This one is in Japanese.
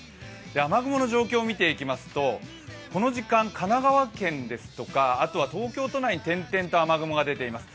雨雲の状況を見ていきますとこの時間、神奈川県ですとかあとは東京都内点々と雨雲が出ています。